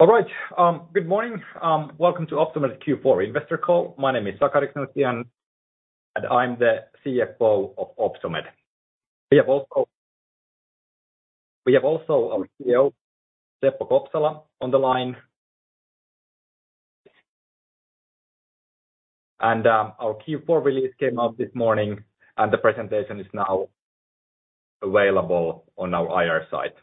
All right. Good morning. Welcome to Optomed's Q4 Investor Call. My name is Sakari Knuutti, and I'm the CFO of Optomed. We have also our CEO, Seppo Kopsala, on the line. Our Q4 release came out this morning, and the presentation is now available on our IR site.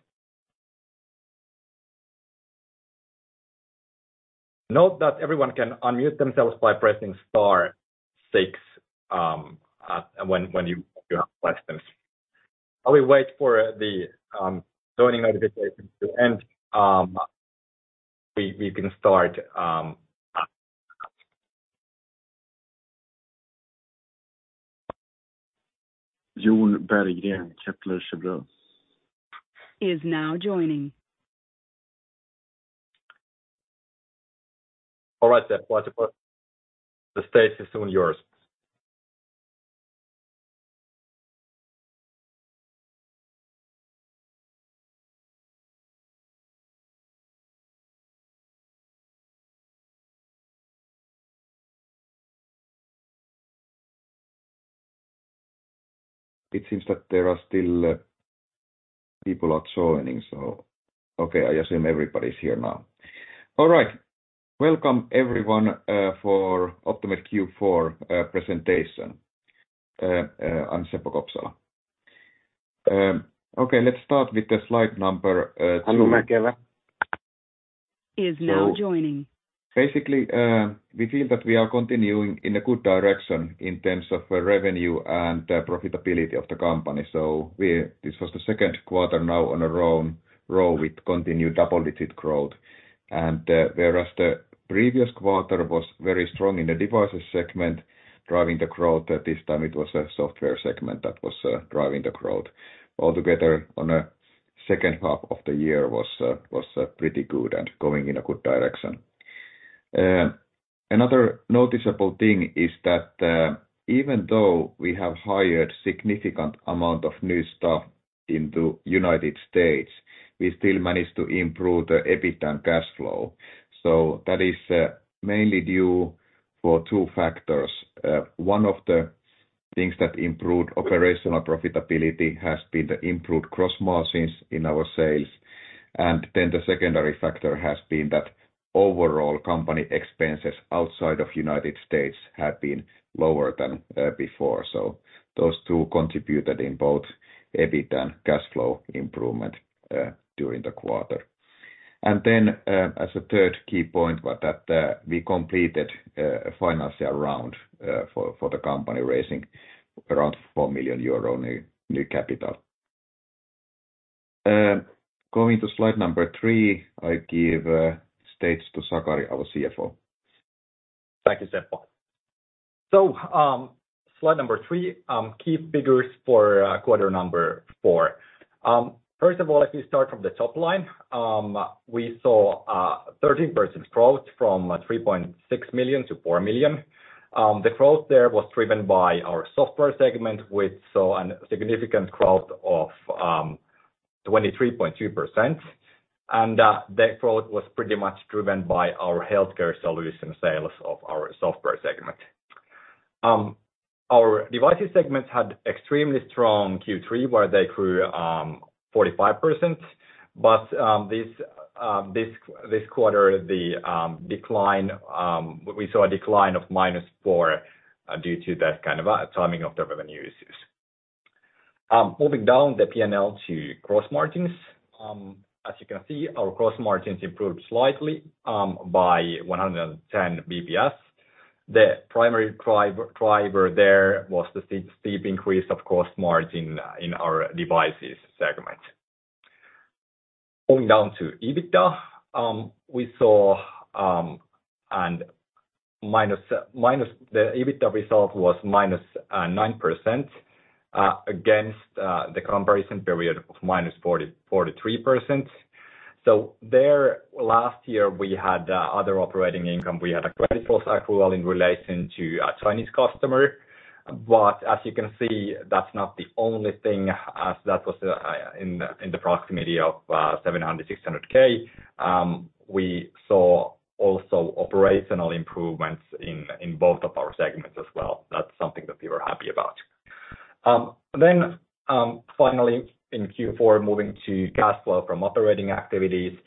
Note that everyone can unmute themselves by pressing star six, when you have questions. While we wait for the joining notifications to end, we can start. Is now joining. All right, Seppo. The stage is soon yours. It seems that there are still people are joining, so. I assume everybody's here now. All right. Welcome everyone for Optomed Q4 presentation. I'm Seppo Kopsala. Let's start with the slide number 2. Is now joining. Basically, we feel that we are continuing in a good direction in terms of revenue and profitability of the company. This was the second quarter now on a row with continued double-digit growth. Whereas the previous quarter was very strong in the devices segment, driving the growth, this time it was a software segment that was driving the growth. All together on the second half of the year was pretty good and going in a good direction. Another noticeable thing is that even though we have hired significant amount of new staff into United States, we still managed to improve the EBITDA and cash flow. That is mainly due for two factors. One of the things that improved operational profitability has been the improved gross margins in our sales. The secondary factor has been that overall company expenses outside of United States have been lower than before. Those two contributed in both EBITDA and cash flow improvement during the quarter. As a third key point was that we completed a financial round for the company, raising around 4 million euro new capital. Going to slide number 3, I give stage to Sakari, our CFO. Thank you, Seppo. Slide 3, key figures for quarter 4. First of all, if you start from the top line, we saw 13% growth from 3.6 million-4 million. The growth there was driven by our software segment, which saw a significant growth of 23.2%. That growth was pretty much driven by our healthcare solution sales of our software segment. Our devices segments had extremely strong Q3, where they grew 45%. This quarter, the decline, we saw a decline of -4% due to that kind of timing of the revenues. Moving down the P&L to gross margins. As you can see, our gross margins improved slightly by 110 basis points. The primary driver there was the steep increase of gross margins in our devices segment. Going down to EBITDA, we saw the EBITDA result was -9% against the comparison period of -43%. There last year, we had other operating income. We had a credit loss in relation to a Chinese customer. As you can see, that's not the only thing that was in the proximity of 700,000, 600,000. We saw also operational improvements in both of our segments as well. That's something that we were happy about. Finally in Q4, moving to cash flow from operating activities.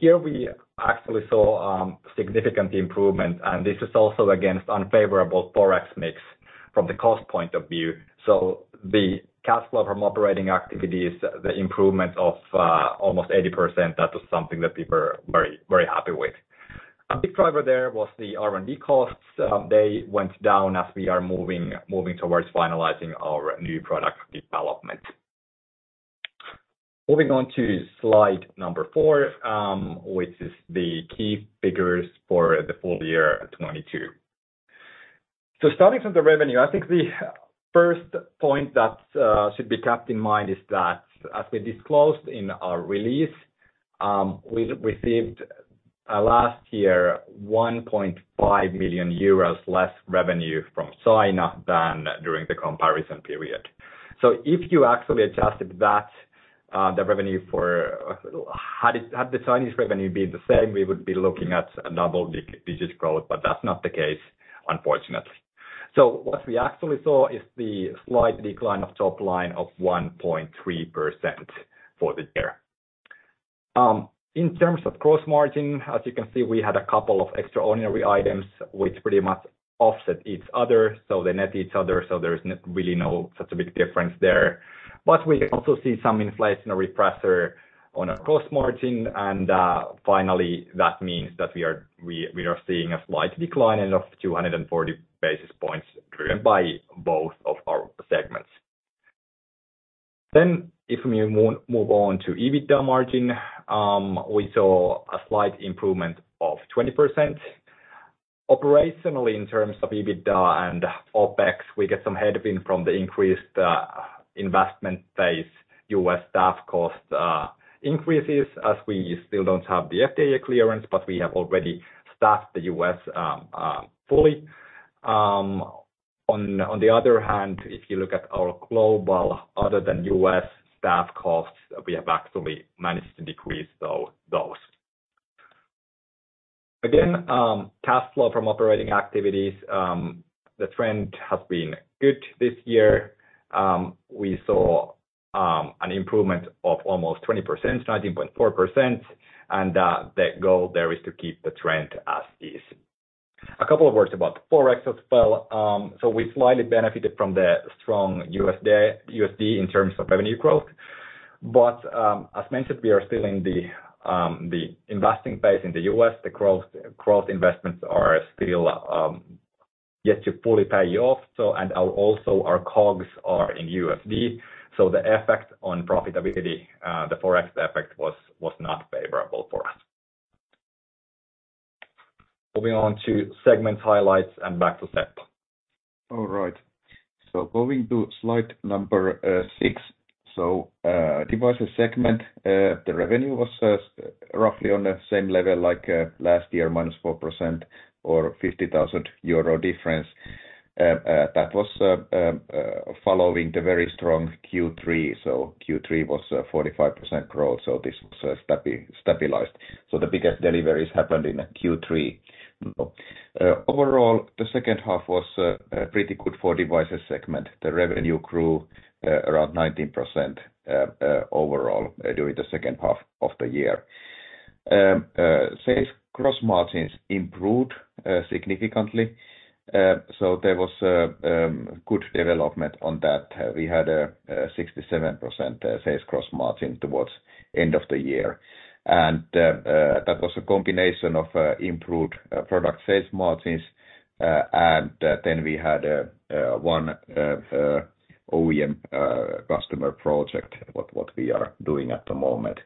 Here we actually saw significant improvement, and this is also against unfavorable Forex mix from the cost point of view. The cash flow from operating activities, the improvement of almost 80%, that was something that we were very, very happy with. A big driver there was the R&D costs. They went down as we are moving towards finalizing our new product development. Moving on to slide number 4, which is the key figures for the full year 2022. Starting from the revenue, I think the first point that should be kept in mind is that as we disclosed in our release, we received last year 1.5 million euros less revenue from China than during the comparison period. If you actually adjusted that, the revenue had the Chinese revenue been the same, we would be looking at a double-digit growth, but that's not the case, unfortunately. What we actually saw is the slight decline of top line of 1.3% for the year. In terms of gross margin, as you can see, we had a couple of extraordinary items which pretty much offset each other, so they net each other, so there's really no such a big difference there. We can also see some inflationary pressure on our gross margin, and finally, that means that we are seeing a slight decline of 240 basis points driven by both of our segments. If we move on to EBITDA margin, we saw a slight improvement of 20%. Operationally, in terms of EBITDA and OpEx, we get some headwind from the increased investment base, U.S. staff cost increases as we still don't have the FDA clearance, but we have already staffed the U.S. fully. On the other hand, if you look at our global other than U.S. staff costs, we have actually managed to decrease those. Cash flow from operating activities, the trend has been good this year. We saw an improvement of almost 20%, 19.4%, and the goal there is to keep the trend as is. A couple of words about Forex as well. We slightly benefited from the strong USD in terms of revenue growth. As mentioned, we are still in the investing phase in the U.S. The growth investments are still yet to fully pay off. Also our COGS are in USD, so the effect on profitability, the Forex effect was not favorable for us. Moving on to segment highlights and back to Seppo. Going to slide number 6. Devices segment, the revenue was roughly on the same level like last year, -4% or 50,000 euro difference. That was following the very strong Q3. Q3 was 45% growth, this was stabilized. The biggest deliveries happened in Q3. Overall, the second half was pretty good for devices segment. The revenue grew around 19% overall during the second half of the year. Sales gross margins improved significantly. There was good development on that. We had a 67% sales gross margin towards end of the year. That was a combination of improved product sales margins, and then we had one OEM customer project, what we are doing at the moment.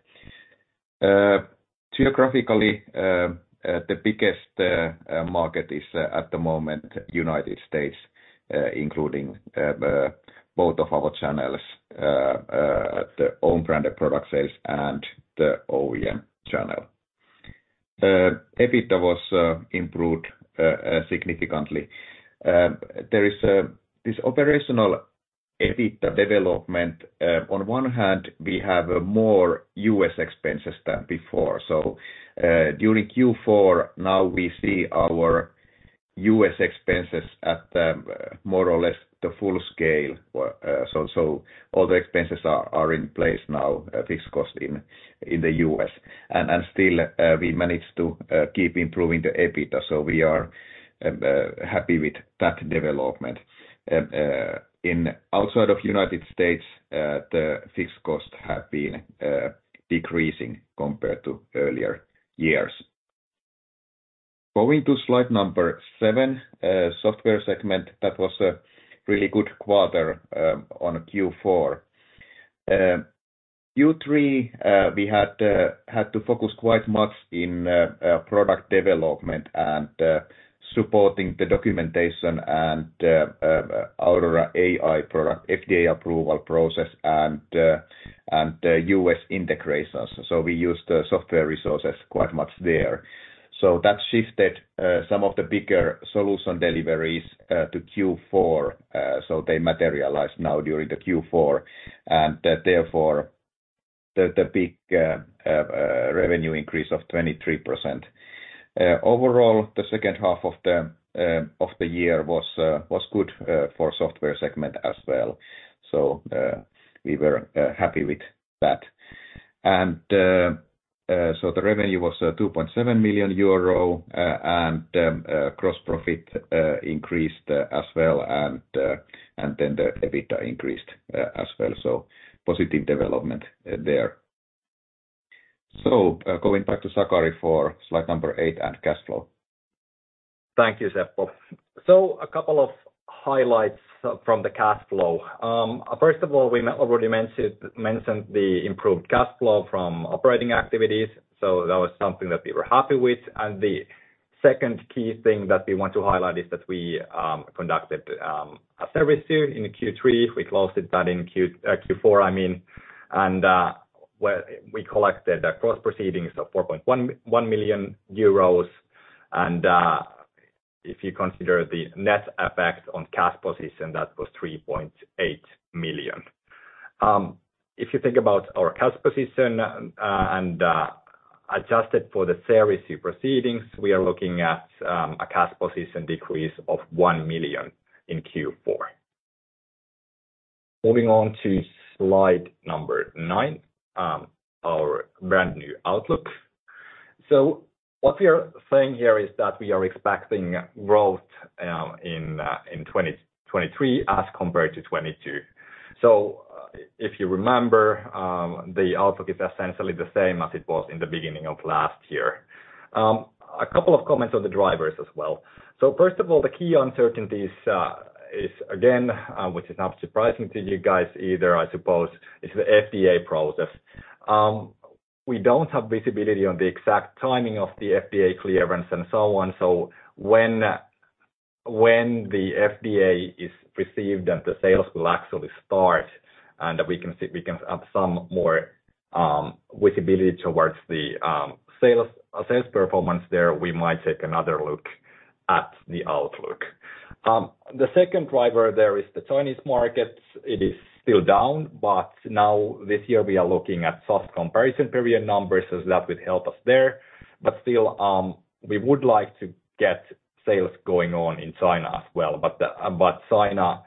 Geographically, the biggest market is at the moment United States, including both of our channels, the own branded product sales and the OEM channel. EBITDA was improved significantly. There is this operational EBITDA development. On one hand, we have more U.S. expenses than before. During Q4 now we see our U.S. expenses at more or less the full scale. All the expenses are in place now, fixed cost in the U.S. Still, we managed to keep improving the EBITDA, so we are happy with that development. In outside of United States, the fixed cost have been decreasing compared to earlier years. Going to slide number 7, software segment, that was a really good quarter on Q4. Q3, we had to focus quite much in product development and supporting the documentation and Aurora AEYE product FDA approval process and US integrations. We used software resources quite much there. That shifted some of the bigger solution deliveries to Q4, so they materialized now during the Q4, and therefore the big revenue increase of 23%. Overall, the second half of the year was good for software segment as well. We were happy with that. The revenue was 2.7 million euro, and gross profit increased as well and then the EBITDA increased as well. Positive development there. Going back to Sakari for slide number 8 and cash flow. Thank you, Seppo. A couple of highlights from the cash flow. First of all, we already mentioned the improved cash flow from operating activities, that was something that we were happy with. Second key thing that we want to highlight is that we conducted a service survey in Q3. We closed that in Q4, I mean, we collected the gross proceedings of 4.1 million euros. If you consider the net effect on cash position, that was 3.8 million. If you think about our cash position, adjusted for the share issue proceeds, we are looking at a cash position decrease of 1 million in Q4. Moving on to slide number 9, our brand new outlook. What we are saying here is that we are expecting growth in 2023 as compared to 2022. If you remember, the outlook is essentially the same as it was in the beginning of last year. A couple of comments on the drivers as well. First of all, the key uncertainties is again, which is not surprising to you guys either, I suppose, is the FDA process. We don't have visibility on the exact timing of the FDA clearance and so on. When the FDA is received and the sales will actually start, and we can have some more visibility towards the sales performance there, we might take another look at the outlook. The second driver there is the Chinese market. It is still down. Now this year we are looking at soft comparison period numbers, so that would help us there. Still, we would like to get sales going on in China as well. China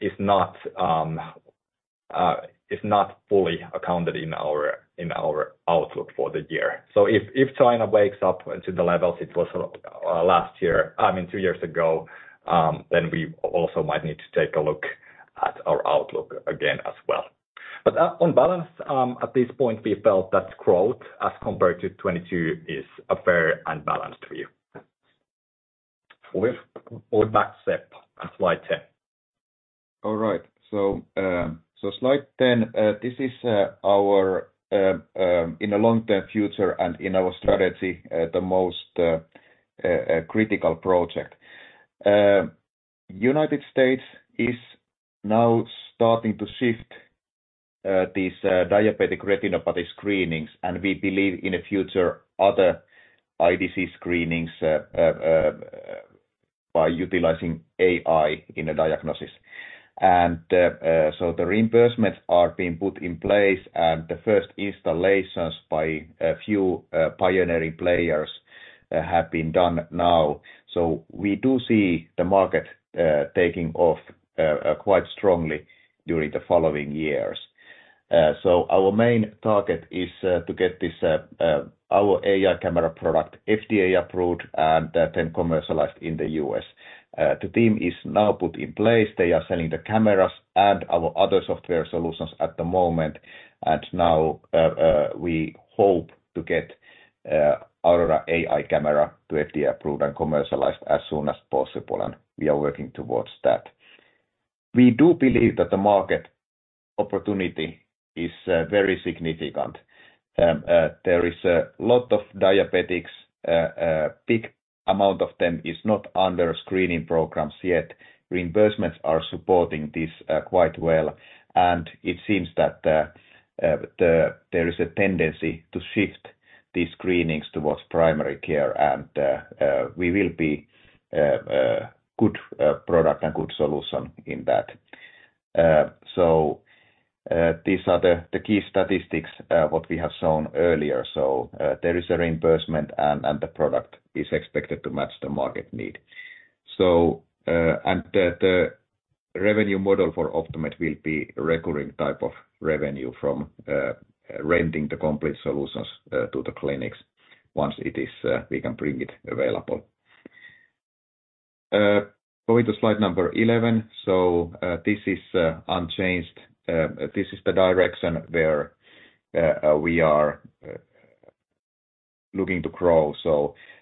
is not fully accounted in our outlook for the year. If China wakes up to the levels it was last year, I mean, two years ago, then we also might need to take a look at our outlook again as well. On balance, at this point, we felt that growth as compared to 2022 is a fair and balanced view. Back, Seppo, slide 10. All right. Slide 10, this is our in the long-term future and in our strategy, the most critical project. United States is now starting to shift these diabetic retinopathy screenings, and we believe in the future other eye disease screenings by utilizing AI in a diagnosis. The reimbursements are being put in place, and the first installations by a few pioneering players have been done now. We do see the market taking off quite strongly during the following years. Our main target is to get this our AI camera product FDA-approved and then commercialized in the U.S. The team is now put in place. They are selling the cameras and our other software solutions at the moment. Now, we hope to get our AI camera to FDA-approved and commercialized as soon as possible, and we are working towards that. We do believe that the market opportunity is very significant. There is a lot of diabetics, big amount of them is not under screening programs yet. Reimbursements are supporting this quite well, and it seems that there is a tendency to shift these screenings towards primary care, and we will be a good product and good solution in that. These are the key statistics what we have shown earlier. There is a reimbursement and the product is expected to match the market need. And the revenue model for Optomed will be recurring type of revenue from renting the complete solutions to the clinics once it is we can bring it available. Going to slide number 11. This is unchanged. This is the direction where we are looking to grow.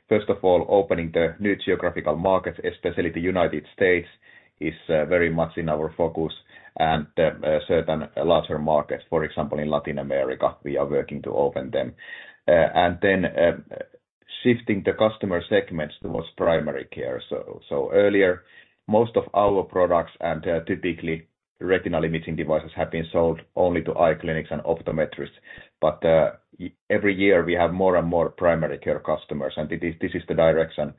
First of all, opening the new geographical markets, especially the United States, is very much in our focus. Certain larger markets, for example, in Latin America, we are working to open them. Then shifting the customer segments towards primary care. Earlier, most of our products and typically retinal imaging devices have been sold only to eye clinics and optometrists. Every year we have more and more primary care customers, and this is the direction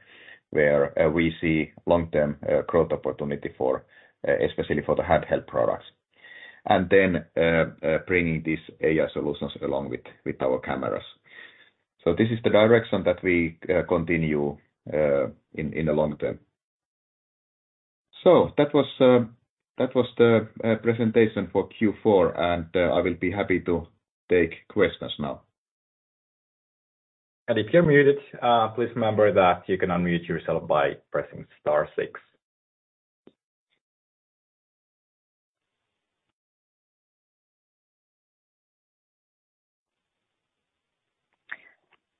where we see long-term growth opportunity for especially for the head health products. Bringing these AI solutions along with our cameras. This is the direction that we continue in the long term. That was the presentation for Q4, and I will be happy to take questions now. If you're muted, please remember that you can unmute yourself by pressing star six.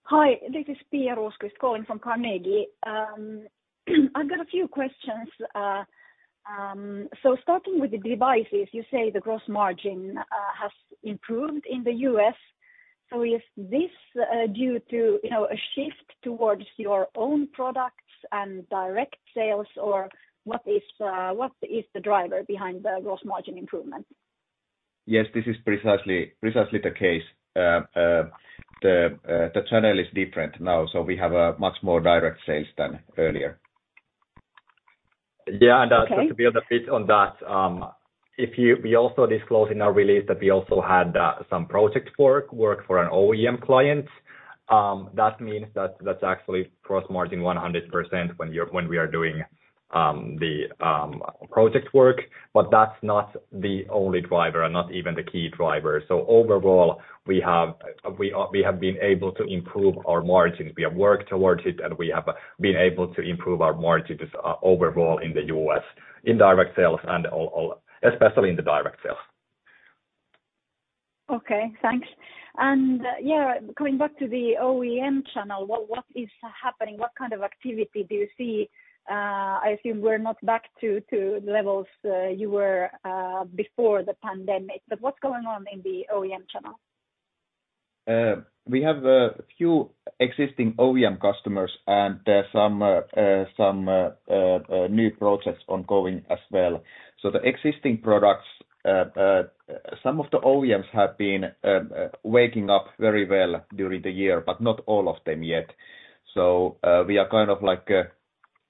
Hi, this is Pia Rosqvist calling from Carnegie. I've got a few questions. Starting with the devices, you say the gross margin has improved in the U.S. Is this due to, you know, a shift towards your own products and direct sales? What is the driver behind the gross margin improvement? Yes. This is precisely the case. The channel is different now, so we have much more direct sales than earlier. Yeah. Okay. Just to build a bit on that, we also disclose in our release that we also had some project work for an OEM client. That means that that's actually cross-margin 100% when we are doing the project work, but that's not the only driver and not even the key driver. Overall, we have been able to improve our margins. We have worked towards it, and we have been able to improve our margins overall in the U.S. in direct sales and all... Especially in the direct sales. Okay. Thanks. Yeah, coming back to the OEM channel, what is happening? What kind of activity do you see? I assume we're not back to levels you were before the pandemic, but what's going on in the OEM channel? We have a few existing OEM customers and some new projects ongoing as well. The existing products, some of the OEMs have been waking up very well during the year, but not all of them yet. We are kind of like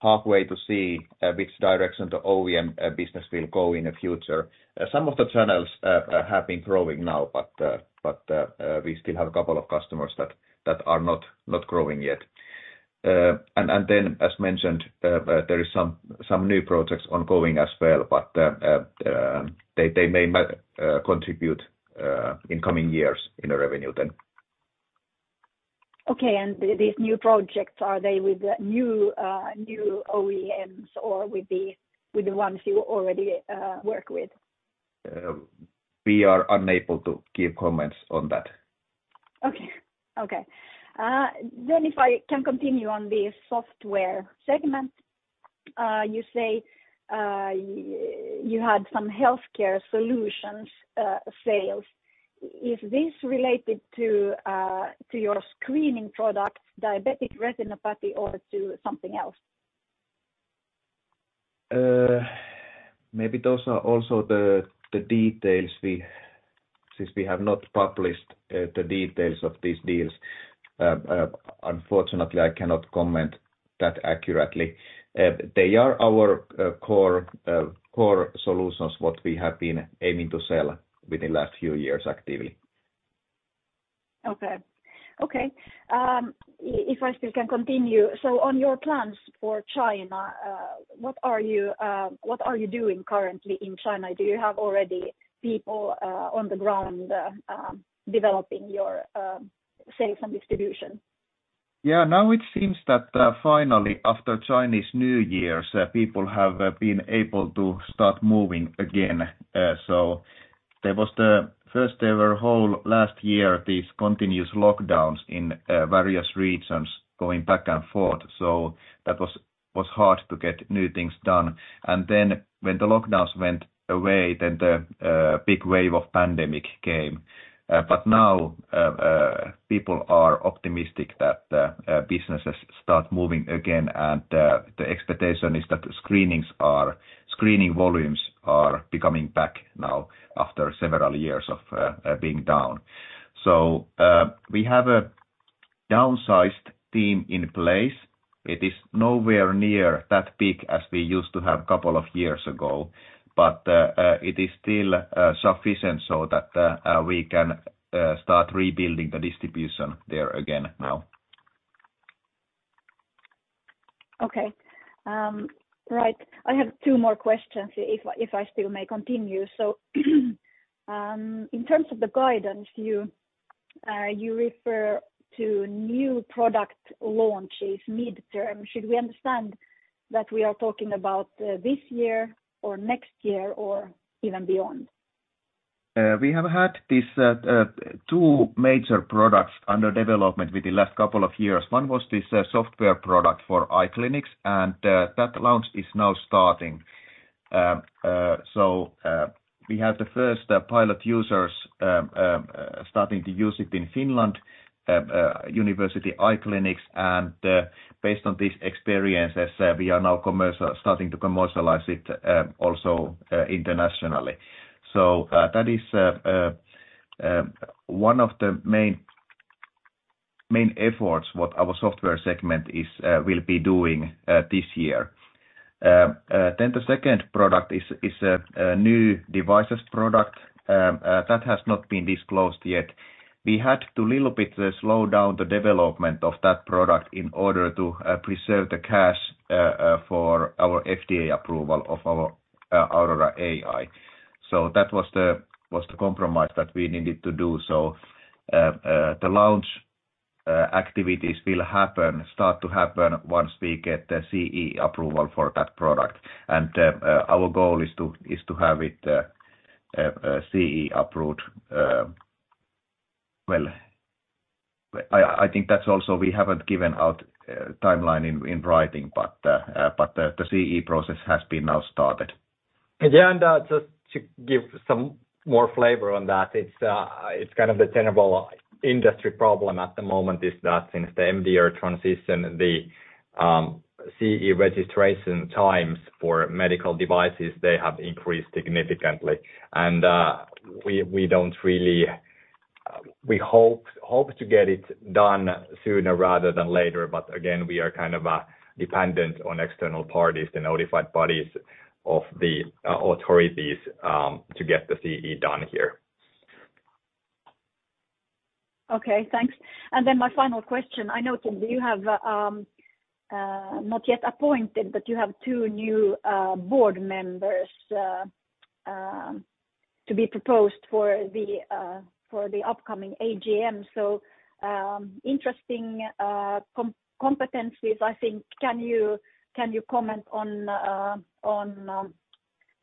halfway to see which direction the OEM business will go in the future. Some of the channels have been growing now, but we still have a couple of customers that are not growing yet. As mentioned, there is some new projects ongoing as well, but they may contribute in coming years in the revenue then. Okay. These new projects, are they with the new OEMs or with the ones you already work with? We are unable to give comments on that. Okay. Okay. If I can continue on the software segment, you say, you had some healthcare solutions sales. Is this related to your screening products, diabetic retinopathy, or to something else? Maybe those are also the details we... Since we have not published, the details of these deals, unfortunately, I cannot comment that accurately. They are our core solutions, what we have been aiming to sell within last few years actively. Okay. Okay. If I still can continue, on your plans for China, what are you doing currently in China? Do you have already people on the ground developing your sales and distribution? Yeah. Now it seems that finally, after Chinese New Years, people have been able to start moving again. There was the first ever whole last year, these continuous lockdowns in various regions going back and forth. That was hard to get new things done. Then when the lockdowns went away, then the big wave of pandemic came. Now people are optimistic that businesses start moving again. The expectation is that the screening volumes are becoming back now after several years of being down. We have a downsized team in place. It is nowhere near that big as we used to have a couple years ago, but it is still sufficient so that we can start rebuilding the distribution there again now. Okay. Right. I have two more questions if I still may continue. In terms of the guidance, you refer to new product launches midterm. Should we understand that we are talking about this year or next year or even beyond? We have had these two major products under development within last couple of years. One was this software product for eye clinics, and that launch is now starting. We have the first pilot users starting to use it in Finland, university eye clinics. Based on these experiences, we are now starting to commercialize it also internationally. That is one of the main efforts what our software segment will be doing this year. The second product is a new devices product that has not been disclosed yet. We had to little bit slow down the development of that product in order to preserve the cash for our FDA approval of our Aurora AEYE. That was the compromise that we needed to do. The launch activities start to happen once we get the CE approval for that product. Our goal is to have it CE approved. Well, I think that's also we haven't given out timeline in writing, but the CE process has been now started. Just to give some more flavor on that, it's kind of a tenable industry problem at the moment is that since the MDR transition, the CE registration times for medical devices, they have increased significantly. We, we don't really... We hope to get it done sooner rather than later, but again, we are kind of dependent on external parties, the notified bodies of the authorities, to get the CE done here. Okay, thanks. My final question. I know, team, you have not yet appointed, but you have two new board members to be proposed for the upcoming AGM. Interesting competencies, I think. Can you comment on,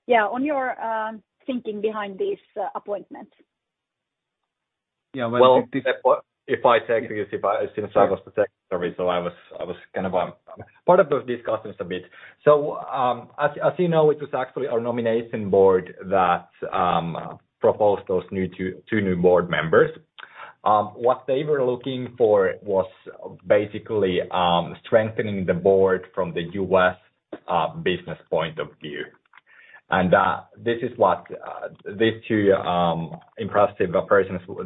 yeah, on your thinking behind these appointments? Yeah, well- If I take this, since I was the secretary, I was kind of part of those discussions a bit. As you know, it was actually our nomination board that proposed those new two new board members. What they were looking for was basically strengthening the board from the U.S. business point of view. This is what these two impressive persons were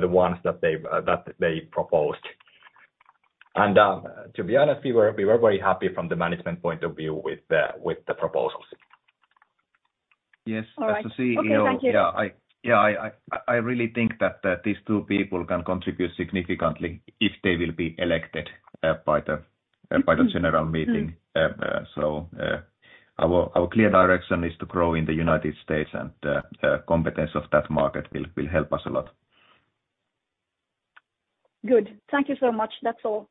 the ones that they've that they proposed. To be honest, we were very happy from the management point of view with the proposals. Yes. As the CEO- All right. Okay, thank you. Yeah, I, I really think that these two people can contribute significantly if they will be elected by the general meeting. Our clear direction is to grow in the United States, and competence of that market will help us a lot. Good. Thank you so much. That's all.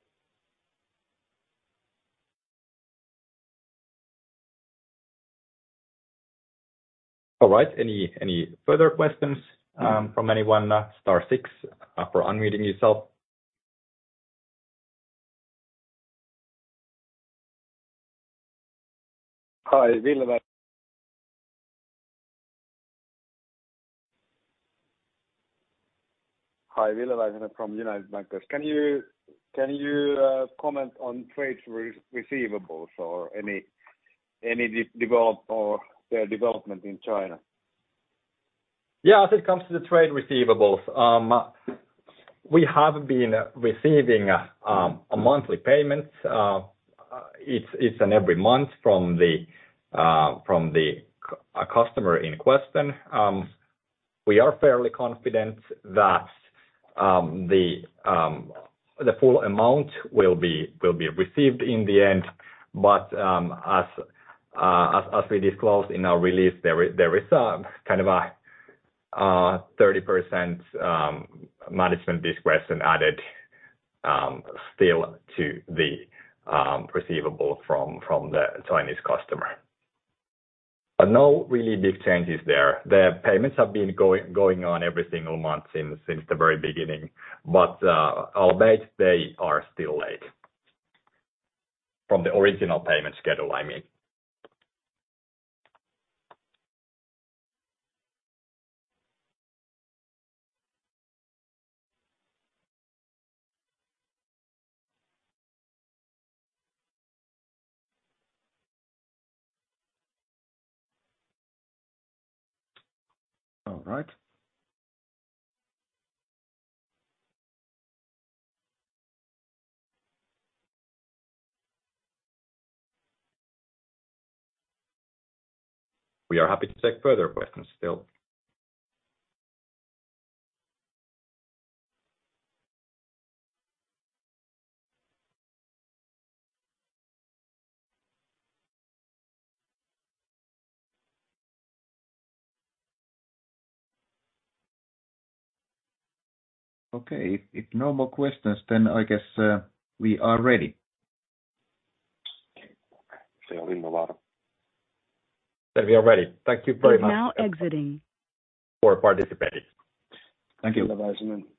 All right. Any further questions, from anyone? Star six for unmuting yourself. Hi, [Ville Vainio] from United Bankers. Can you comment on trade receivables or any development in China? Yeah. As it comes to the trade receivables, we have been receiving a monthly payment each and every month from the customer in question. We are fairly confident that the full amount will be received in the end. As we disclosed in our release, there is kind of a 30% management discretion added still to the receivable from the Chinese customer. No really big changes there. The payments have been going on every single month since the very beginning. Albeit they are still late from the original payment schedule, I mean. All right. We are happy to take further questions still. Okay. If no more questions, then I guess we are ready. Okay. We are ready. Thank you very much. You're now exiting. For participating. Thank you.